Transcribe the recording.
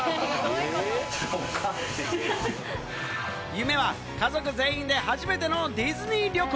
夢は家族全員で初めてのディズニー旅行。